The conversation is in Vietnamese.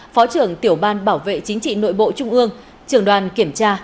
phó trưởng tiểu ban bảo vệ chính trị nội bộ trung ương trường đoàn kiểm tra